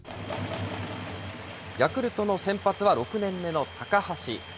ヤクルトの先発は６年目の高橋。